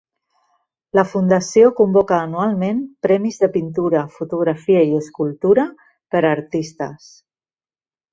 La Fundació convoca anualment premis de pintura, fotografia i escultura per a artistes.